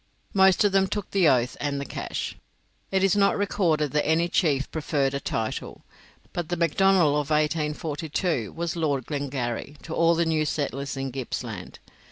Most of them took the oath and the cash. It is not recorded that any chief preferred a title, but the Macdonnell of 1842 was Lord Glengarry to all the new settlers in Gippsland.